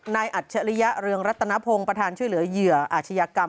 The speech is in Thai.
อัจฉริยะเรืองรัตนพงศ์ประธานช่วยเหลือเหยื่ออาชญากรรม